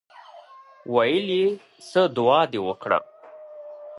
ویل یې څه دعا دې وکړه.